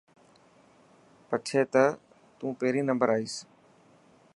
پڇي ته تون پهريون نمبر آئين.